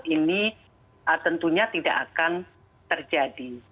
ini tentunya tidak akan terjadi